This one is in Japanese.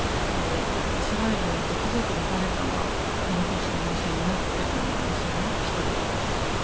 イスラエルに行くと家族の誰かがホロコーストの犠牲になっているんですよね、１人は。